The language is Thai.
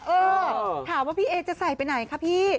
เออถามว่าพี่เอจะใส่ไปไหนคะพี่